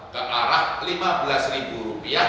ke arah rp lima belas